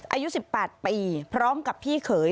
อายุ๑๘ปีพร้อมกับพี่เขย